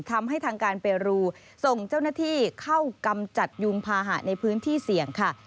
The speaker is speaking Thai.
ทำให้ทางการเปรูส่งเจ้าหน้าที่เข้ากำจัดยุงภาหะในพื้นที่เสี่ยงค่ะ